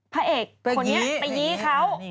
พระเอกคนนี้ไปยี้เขา